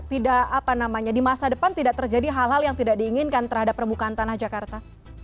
tidak apa namanya di masa depan tidak terjadi hal hal yang tidak diinginkan terhadap permukaan tanah jakarta